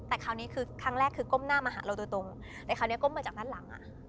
แต่คราวนี้คือครั้งแรกคือก้มหน้ามาหาเราโดยตรงแต่คราวนี้ก้มมาจากด้านหลังอ่ะ